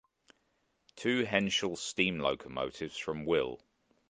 Two Henschel steam locomotives from Wilh.